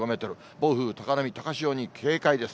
暴風、高波、高潮に警戒です。